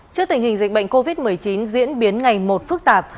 trước tình hình dịch bệnh covid một mươi chín diễn biến ngày một phức tạp